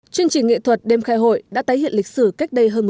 chương trình nghệ thuật đêm khai hội đã tái hiện lịch sử cách đây hơn một tháng